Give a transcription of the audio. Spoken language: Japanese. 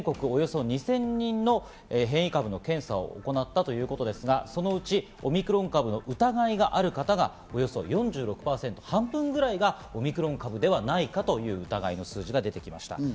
およそ２０００人の変異株の検査を行ったということですが、そのうちオミクロン株の疑いがある方がおよそ４６％、半分くらいがオミクロン株ではないかという疑いの数字が出てきました。